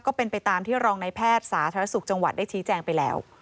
ก็เป็นไปตามที่รองในแพทย์สาธารณสุขจังหวัดได้ชี้แจงไปแล้ว